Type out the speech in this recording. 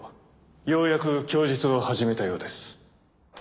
ようやく供述を始めたようです。